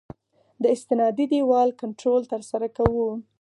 د استنادي دیوال کنټرول ترسره کوو